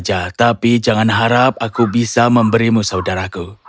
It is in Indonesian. terserah kau saja tapi jangan harap aku tidak akan memiliki cincin ini